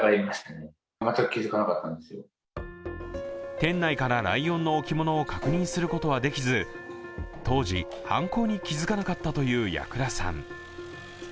店内からライオンの置物を確認することはできず、当時、犯行に気付かなかったという矢倉さん。